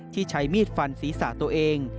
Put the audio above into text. ใช้มีดฟันศีรษะตัวเอง